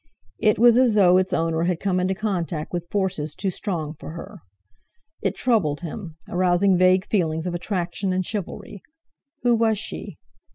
It was as though its owner had come into contact with forces too strong for her. It troubled him, arousing vague feelings of attraction and chivalry. Who was she?